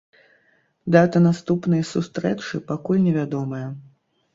Дата наступнай сустрэчы пакуль не вядомая.